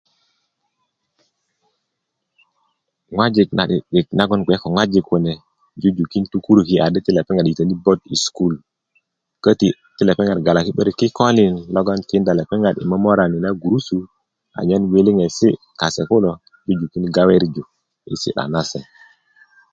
ŋwajik na'dik'dik nagon bge ko ŋwajik jujukin tukuruki adi ti lepeŋ yitoni bot i sukulu köti ti lepeŋa galaki 'börik kikölin logon tinda lepeŋ i momrani na gurusu anyen gwiliŋesi kase kulo jujukin gawerju i si'da na se